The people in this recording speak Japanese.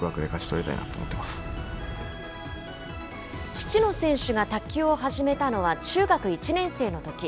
七野選手が卓球を始めたのは中学１年生のとき。